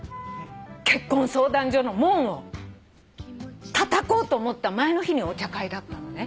結婚相談所の門をたたこうと思った前の日にお茶会だったのね。